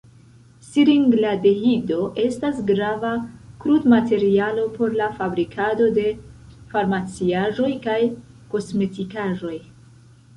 Siringaldehido estas grava krudmaterialo por la fabrikado de farmaciaĵoj kaj kosmetikaĵoj.